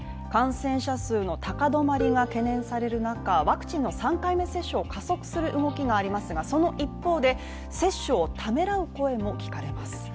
感染者数の高止まりが懸念される中ワクチンの３回目接種を加速する動きがありますがその一方で、接種をためらう声も聞かれます。